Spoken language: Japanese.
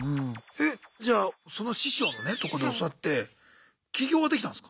えじゃあその師匠のねとこで教わって起業はできたんすか？